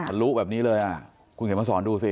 เค้ารู้แบบนี้เลยอ่ะคุณเห็นมาสอนดูสิ